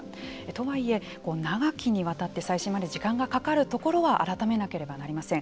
とはいえ、長きにわたって再審まで時間がかかるところは改めなければなりません。